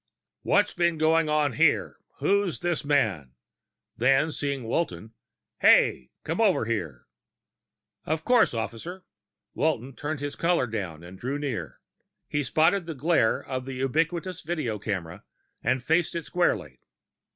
"What's been going on here? Who's this man?" Then, seeing Walton, "Hey! Come over here!" "Of course, officer." Walton turned his collar down and drew near. He spotted the glare of a ubiquitous video camera and faced it squarely.